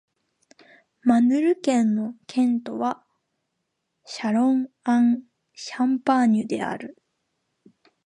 マルヌ県の県都はシャロン＝アン＝シャンパーニュである